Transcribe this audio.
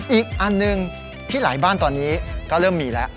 อีกอันหนึ่งที่หลายบ้านตอนนี้ก็เริ่มมีแล้ว